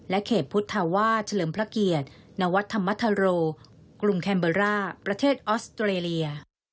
เขตพุทธวาสเฉลิมพระเกียรตินวัดธรรมธโรกรุงแคมเบอร์ร่าประเทศออสเตรเลีย